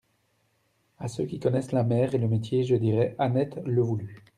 A ceux qui connaissent la mer et le métier, je dirai : Annette le voulut.